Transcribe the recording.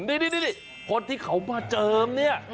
นี่คนที่เขามาเจิมเนี่ย